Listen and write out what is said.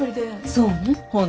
そうね。